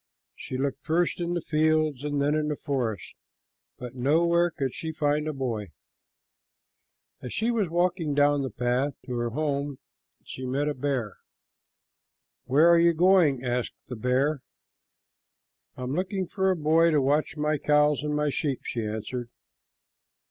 She looked first in the fields and then in the forest, but nowhere could she find a boy. As she was walking down the path to her home, she met a bear. "Where are you going?" asked the bear. "I am looking for a boy to watch my cows and my sheep," she answered.